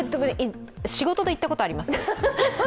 仕事で行ったこと、あります。